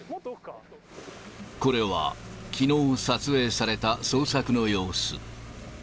これはきのう撮影された捜索の様子。